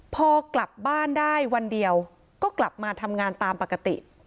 พอกลับบ้านได้วันเดียวก็กลับมาทำงานตามปกติ